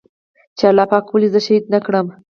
چې الله پاک ولې زه شهيد نه کړم.